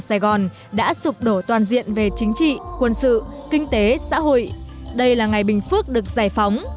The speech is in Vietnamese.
sài gòn đã sụp đổ toàn diện về chính trị quân sự kinh tế xã hội đây là ngày bình phước được giải phóng